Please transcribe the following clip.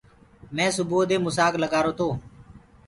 مينٚ سُبئو دي موسآگ لگآرو گو۔